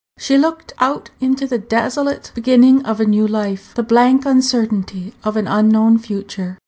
She looked out into the desolate beginning of a new life, the blank uncertainty of an unknown future.